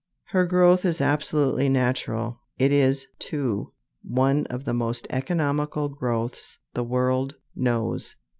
Her growth is absolutely natural. It is, too, one of the most economical growths the world knows.